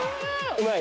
うまい！